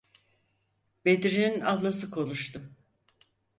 Bedri’nin ablası konuştu.